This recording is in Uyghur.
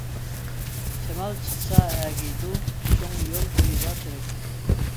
شامال چىقسا ئەگىيدۇ، چوڭ يول بويىدا تېرەك.